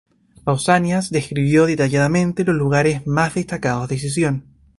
Pausanias describió detalladamente los lugares más destacados de Sición.